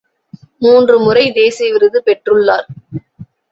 மூன்று முறை தேசிய விருது பெற்றுள்ளார்.